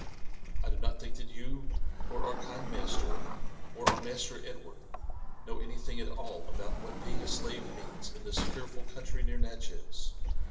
I do not think that you, or our kind master, or our Master Edward, know anything at all about what being a slave means in this fearful country near Natchez.